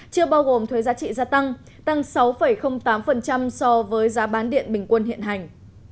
chưa bao gồm thuế giá trị gia tăng tăng sáu tám so với giá bán điện bình quân hiện hành